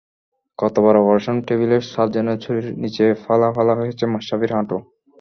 কতবার অপারেশন টেবিলে সার্জনের ছুরির নিচে ফালা ফালা হয়েছে মাশরাফির হাঁটু।